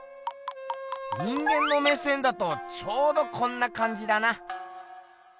人間の目線だとちょうどこんなかんじだな。